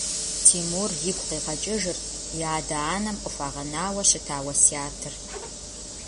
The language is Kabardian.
Тимур игу къигъэкӏыжырт и адэ-анэм къыхуагъэнауэ щыта уэсятыр.